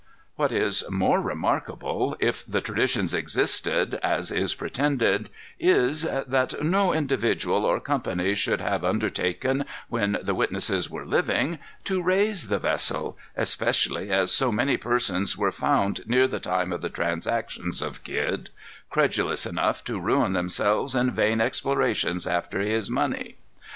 "What is more remarkable, if the traditions existed, as is pretended, is, that no individual or company should have undertaken, when the witnesses were living, to raise the vessel, especially as so many persons were found, near the time of the transactions of Kidd, credulous enough to ruin themselves in vain explorations after his money.